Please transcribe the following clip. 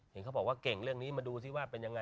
เห็นเขาบอกว่าเก่งเรื่องนี้มาดูซิว่าเป็นยังไง